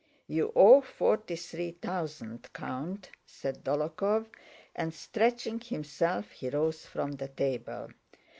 "You owe forty three thousand, Count," said Dólokhov, and stretching himself he rose from the table.